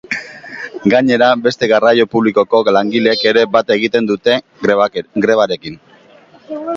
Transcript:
Gainera, beste garraio publikoko langileek ere bat egin dute grebarekin.